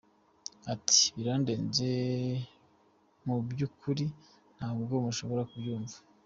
Ati “Birandenze mu byukuru ntabwo mushobora kubyumva.